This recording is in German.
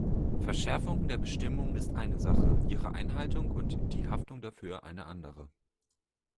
Verschärfung der Bestimmungen ist eine Sache, ihre Einhaltung und die Haftung dafür eine andere.